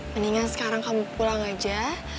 mendingan sekarang kamu pulang aja